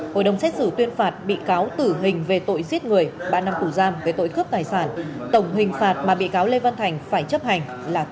hội đồng xét xử tuyên phạt bị cáo tử hình về tội giết người ba năm tù giam về tội cướp tài sản tổng hình phạt mà bị cáo lê văn thành phải chấp hành là